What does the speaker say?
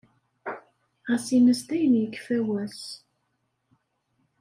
Ɣas in-as dayen yekfa wass.